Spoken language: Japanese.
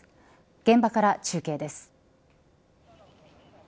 現場から中継です。